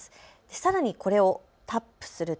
さらにこれをタップすると。